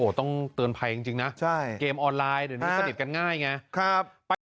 ต้องเตือนภัยจริงนะเกมออนไลน์เดี๋ยวนี้สนิทกันง่ายไง